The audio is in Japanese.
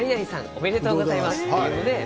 おめでとうございますって。